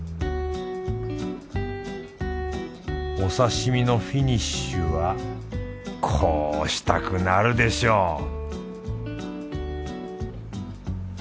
お刺身のフィニッシュはこうしたくなるでしょう！